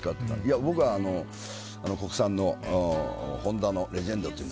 僕は今、国産のホンダのレジェンドという。